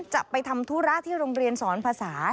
จะไปทำธุระที่โรงเรียนสอนภาษา